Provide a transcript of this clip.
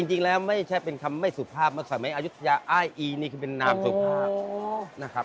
จริงแล้วไม่ใช่เป็นคำไม่สุภาพเมื่อสมัยอายุทยาอ้ายอีนี่คือเป็นนามสุภาพนะครับ